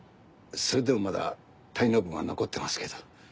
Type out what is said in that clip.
それでもまだ滞納分は残ってますけど。